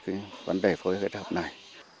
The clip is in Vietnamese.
cái vấn đề phối hợp này